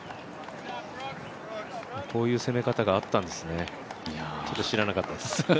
こういう攻め方があったんですね、知らなかったです。